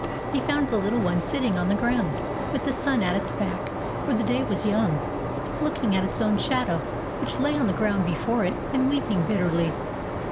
He found the little one sitting on the ground, with the sun at its back (for the day was young), looking at its own shadow, which lay on the ground before it, and weeping bitterly.